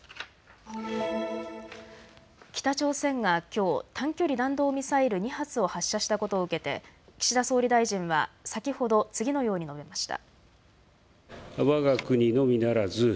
北朝鮮がきょう短距離弾道ミサイル２発を発射したことを受けて岸田総理大臣は先ほど次のように述べました。